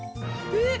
えっ？